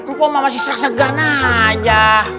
empok masih sereg segan aja